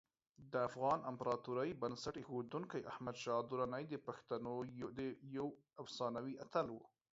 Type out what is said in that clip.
د افغان امپراتورۍ بنسټ ایښودونکی احمدشاه درانی د پښتنو یو افسانوي اتل و.